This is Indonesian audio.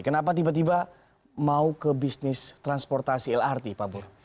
kenapa tiba tiba mau ke bisnis transportasi lrt pak bur